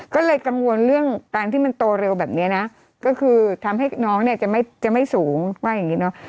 ก็เลยกังวลเรื่องการที่มันโตเร็วแบบนี้นะก็คือทำให้น้องเนี่ยจะไม่สูงว่าอย่างนี้เนอะ